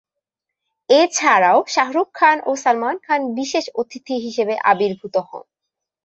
এছাড়াও শাহরুখ খান ও সালমান খান বিশেষ অতিথি হিসেবে আবির্ভূত হন।